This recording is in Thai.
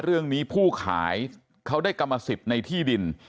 เรื่องนี้ผู้ขายเขาได้กรรมสิทธิ์ในที่ดิน